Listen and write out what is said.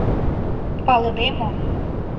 — Палыде мо!